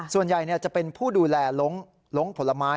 ส่วนใหญ่จะเป็นผู้ดูแลลงผลไม้